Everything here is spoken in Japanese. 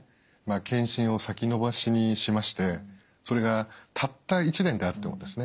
検診を先延ばしにしましてそれがたった１年であってもですね